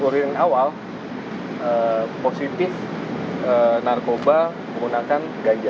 dan cek urin awal positif narkoba menggunakan ganja